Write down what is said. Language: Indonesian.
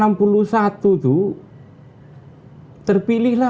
terpilihlah presiden yang sangat hebat